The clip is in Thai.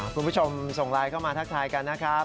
คุณผู้ชมส่งไลน์เข้ามาทักทายกันนะครับ